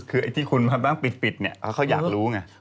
คือไอ้ที่คุณมาบ้างปิดเนี่ยเขาอยากรู้ไง